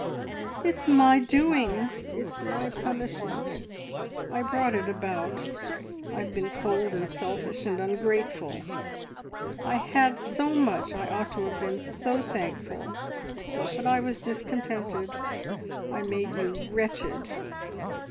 "It's my doing, it's my punishment; I brought it about. I've been cold, and selfish, and ungrateful. I had so much I ought to have been so thankful, but I was discontented I made you wretched.